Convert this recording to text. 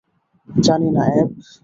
জানি না, অ্যাব।